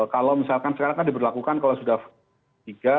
kalau misalkan sekarang kan diberlakukan kalau sudah tiga